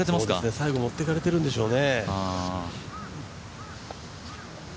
最後、持ってかれてるんでしょうね。